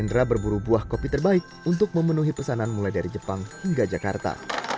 hendra berburu buah kopi terbaik untuk memenuhi pesanan mulai dari jepang hingga jakarta